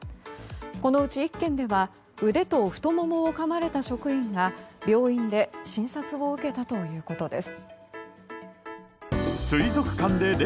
このうち１件では腕と太ももをかまれた職員が病院で診察を受けたということです。